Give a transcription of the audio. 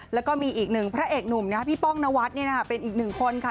แล้วก็มีอีกหนึ่งพระเอกหนุ่มนะพี่ป้องนวัดเป็นอีกหนึ่งคนค่ะ